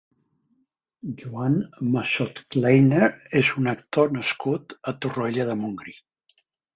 Joan Massotkleiner és un actor nascut a Torroella de Montgrí.